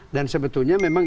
dan sebetulnya memang